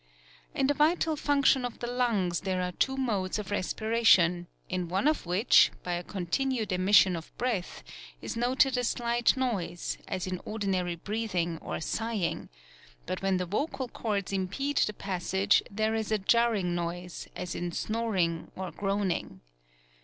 In the vital function of the lungs there are two modes of res piration, in one of which, by a continued emission of breath, is noticed a slight noise, as in ordinary breathing or sighing; but when the vocal cords impede the passage there is a jarring noise, as in snoring or groaning.